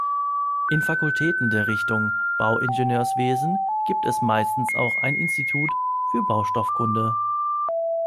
In Fakultäten der Richtung Bauingenieurwesen gibt es meistens auch ein Institut für Baustoffkunde.